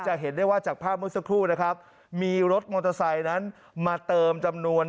เห็นได้ว่าจากภาพเมื่อสักครู่นะครับมีรถมอเตอร์ไซค์นั้นมาเติมจำนวน